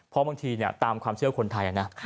เพราะบางทีตามความเชื่อคนไทยนะ